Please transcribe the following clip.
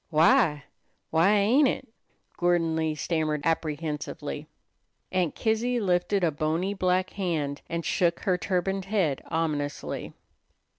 "Why why ain't it?" Gordon Lee stammered apprehensively. Aunt Kizzy lifted a bony black hand, and shook her turbaned head ominously.